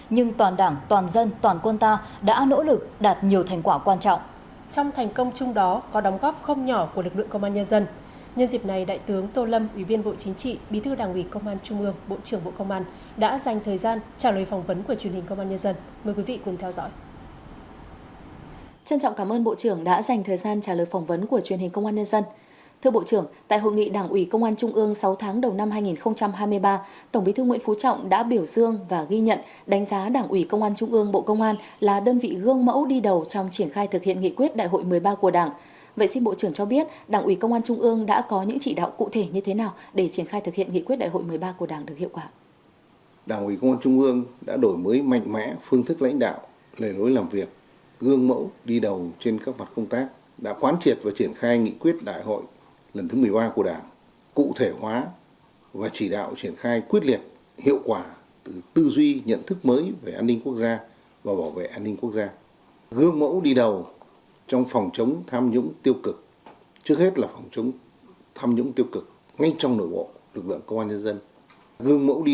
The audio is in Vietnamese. nhưng toàn đảng toàn dân toàn quân ta đã nỗ lực đạt nhiều thành quả quan trọng